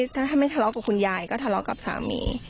ถ้าไม่ทะเลาะกับคุณยายก็ทะเลาะกับสามี